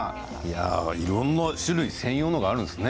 いろんな種類専用のものがあるんですね。